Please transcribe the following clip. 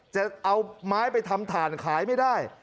จะเอาไม้ไปทำถ่านขายไม่ได้